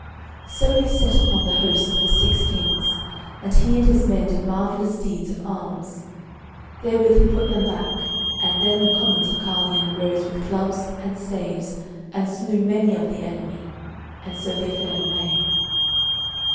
So he set upon the hosts of the six kings, and he and his men did marvellous deeds of arms. Therewith he put them back, and then the commons of Carlion arose with clubs and staves and slew many of the enemy, and so they fled away.